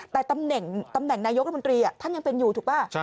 แต่ตำแหน่งนายกรัฐมนตรีท่านยังเป็นอยู่ถูกป่ะ